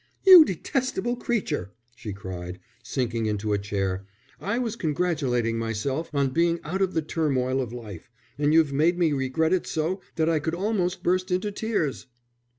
"You detestable creature!" she cried, sinking into a chair. "I was congratulating myself on being out of the turmoil of life, and you've made me regret it so that I could almost burst into tears."